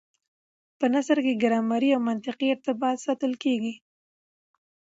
په نثر کي ګرامري او منطقي ارتباط ساتل کېږي.